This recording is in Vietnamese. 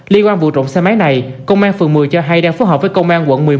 liên quan vụ trộm xe máy này công an phường một mươi cho hay đang phối hợp với công an quận một mươi một